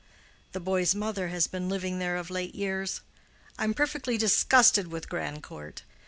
The boy's mother has been living there of late years. I'm perfectly disgusted with Grandcourt.